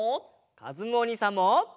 かずむおにいさんも！